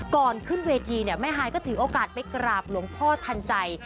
ก่อนขึ้นเวทีเนี่ยแม่ฮายก็ถือโอกาสไปกราบหลวงพ่อทันใจ